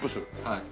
はい。